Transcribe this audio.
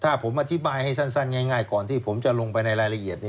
ถ้าผมอธิบายให้สั้นง่ายก่อนที่ผมจะลงไปในรายละเอียด